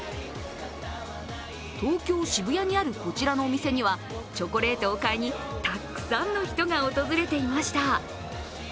東京・渋谷にあるこちらのお店にはチョコレートを買いにたくさんの人が訪れていました。